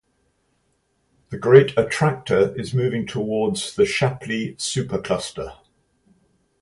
The Great Attractor is moving towards the Shapley Supercluster.